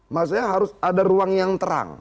maksudnya harus ada ruang yang terang